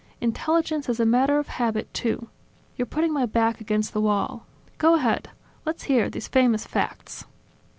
Intelligence is a matter of habit, too. You're putting my back against the wall. Go ahead. Let's hear these famous facts."